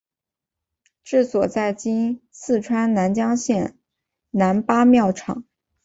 治所在今四川南江县南八庙场。